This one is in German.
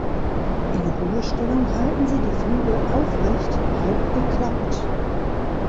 In Ruhestellung halten sie die Flügel aufrecht halb geklappt.